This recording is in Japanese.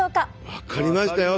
分かりましたよ